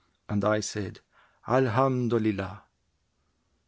And I said, 'Alhamdolillah!'